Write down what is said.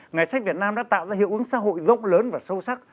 ngày sách việt nam đã tạo ra hiệu ứng xã hội rộng lớn và sâu sắc